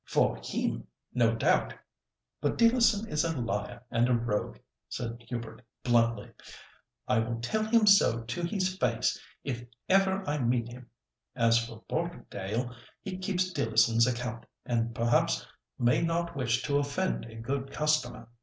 "For him, no doubt; but Dealerson is a liar and a rogue," said Hubert, bluntly. "I will tell him so to his face, if ever I meet him. As for Mr. Barterdale, he keeps Dealerson's account, and perhaps may not wish to offend a good customer.